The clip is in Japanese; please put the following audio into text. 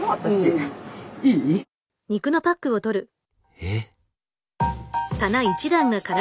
えっ？